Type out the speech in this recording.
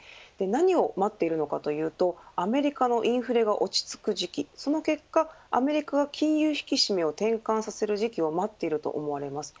何を待っているのかというとアメリカのインフレが落ち着く時期、その結果アメリカが金融引き締めを転換させる時期を待っていることもあります。